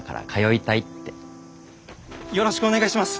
よろしくお願いします！